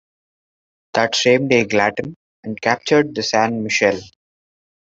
That same day "Glatton" and captured the "San Michelle".